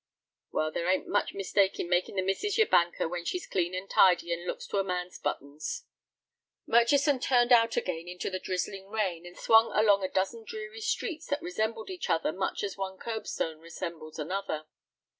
"Well, there ain't much mistake in makin' the missus yer banker when she's clean and tidy, and looks to a man's buttons." Murchison turned out again into the drizzling rain, and swung along a dozen dreary streets that resembled each other much as one curbstone resembles another.